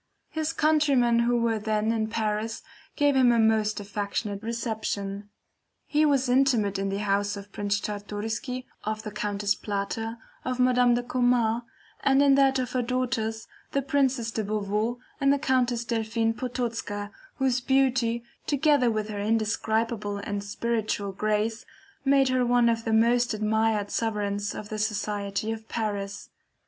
His countrymen who were then in Paris gave him a most affectionate reception. He was intimate in the house of Prince Czartoryski, of the Countess Plater, of Madame de Komar, and in that of her daughters, the Princess de Beauveau and the Countess Delphine Potocka, whose beauty, together with her indescribable and spiritual grace, made her one of the most admired sovereigns of the society of Paris.